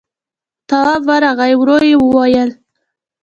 تواب ورغی، ورو يې وويل: